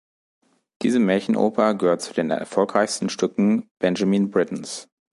Diese Märchenoper gehört zu den erfolgreichsten Stücken Benjamin Brittens.